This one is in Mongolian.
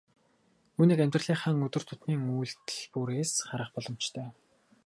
Үүнийг амьдралынхаа өдөр тутмын үйлдэл бүрээс харах боломжтой.